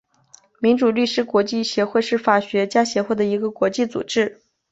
民主律师国际协会是法学家协会的一个国际组织。